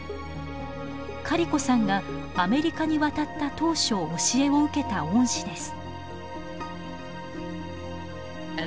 カリコさんがアメリカに渡った当初教えを受けた恩師です。